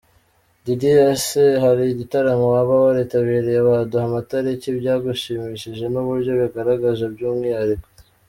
Diddy : Ese hari ibitaramo waba waritabiriye, waduha amatariki, ibyagushimishije n’uburyo wigaragaje by’umwihariko ?.